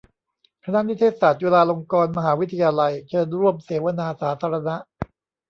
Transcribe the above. คณะนิเทศศาสตร์ จุฬาลงกรณ์มหาวิทยาลัย เชิญร่วมเสวนาสาธารณะ